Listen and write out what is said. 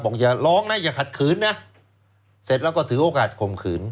อย่าร้องนะอย่าขัดขืนนะเสร็จแล้วก็ถือโอกาสข่มขืน